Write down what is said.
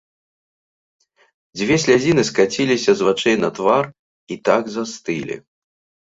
Дзве слязіны скаціліся з вачэй на твар і так застылі.